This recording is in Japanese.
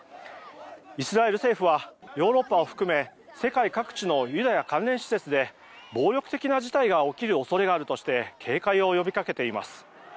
イスラエル政府はヨーロッパを含め世界各地のユダヤ関連施設で暴力的な事態が起きる恐れがあるとして警戒を呼びかけています。